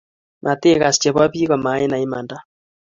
Matigas chebo biik ko mainai imanda